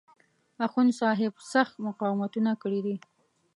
اخوندصاحب سخت مقاومتونه کړي دي.